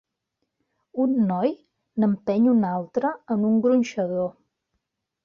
Un noi n'empeny un altre en un gronxador.